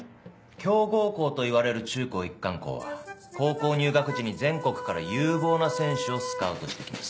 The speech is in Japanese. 強豪校といわれる中高一貫校は高校入学時に全国から有望な選手をスカウトして来ます。